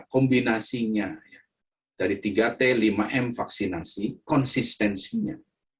kombinasinya dari tiga t lima m vaksinasi konsistensinya